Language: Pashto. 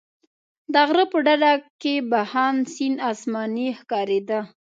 د غره په ډډه کې بهاند سیند اسماني ښکارېده.